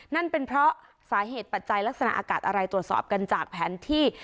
นั่นเป็นเพราะสาเหตุปัจจัยลักษณะอากาศอะไรตรวจสอบกันจากแผนที่